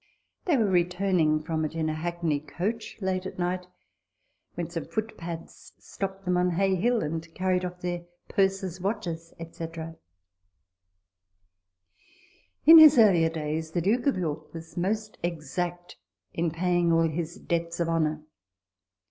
They were returning from it in a hackney coach, late at night, when some foot pads stopped them on Hay Hill, and carried off their purses, watches, &c. In his earlier days the Duke of York was most exact in paying all his debts of honour.